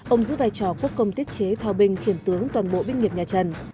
ông giữ vai trò quốc công tiết chế thao binh khiển tướng toàn bộ binh nghiệp nhà trần